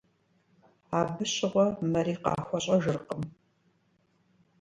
Абы щыгъуэ мэри къахуэщӀэжыркъым.